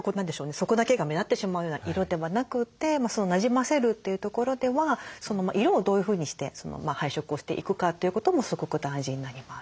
そこだけが目立ってしまうような色ではなくてなじませるというところでは色をどういうふうにして配色をしていくかということもすごく大事になります。